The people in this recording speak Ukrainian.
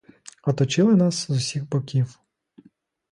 Оточили нас з усіх боків.